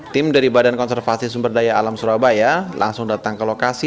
tim dari bksda langsung datang ke lokasi